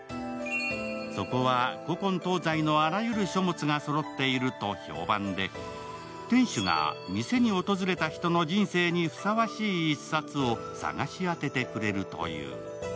そこは古今東西のあらゆる書物がそろっていると評判で店主が店に訪れた人の人生にふさわしい１冊を探し当ててくれるという。